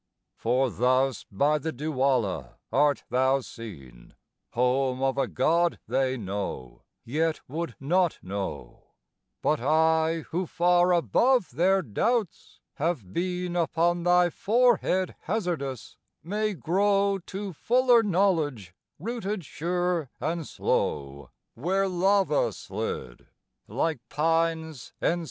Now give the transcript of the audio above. For thus, by the Dualla, art thou seen, Home of a God they know, yet would not know; But I, who far above their doubts have been Upon thy forehead hazardous, may grow To fuller knowledge, rooted sure and slow Where lava slid like pines Enceladine.